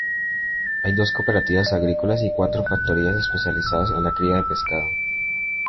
Hay dos cooperativas agrícolas y cuatro factorías especializadas en la cría de pescado.